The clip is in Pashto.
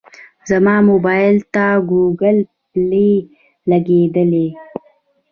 زما موبایل ته ګوګل پلی لګېدلی دی.